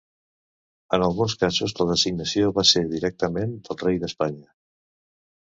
En alguns casos la designació va ser directament del rei d'Espanya.